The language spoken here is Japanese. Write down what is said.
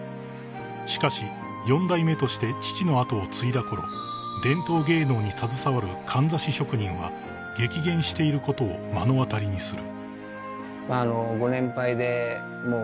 ［しかし四代目として父の跡を継いだころ伝統芸能に携わるかんざし職人は激減していることを目の当たりにする］